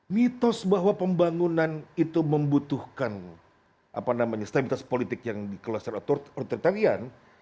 mitos bahwa pembangunan itu membutuhkan apa namanya stabilitas politik yang dikelasin otoritarian